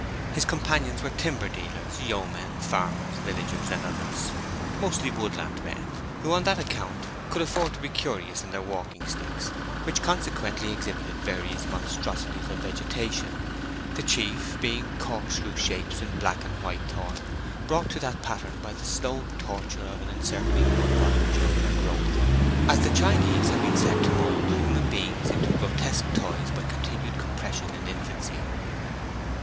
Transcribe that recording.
His companions were timber dealers, yeomen, farmers, villagers, and others; mostly woodland men, who on that account could afford to be curious in their walking sticks, which consequently exhibited various monstrosities of vegetation, the chief being cork screw shapes in black and white thorn, brought to that pattern by the slow torture of an encircling woodbine during their growth, as the Chinese have been said to mould human beings into grotesque toys by continued compression in infancy.